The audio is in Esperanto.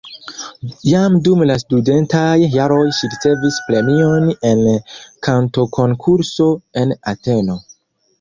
Jam dum la studentaj jaroj ŝi ricevis premion en kantokonkurso en Ateno.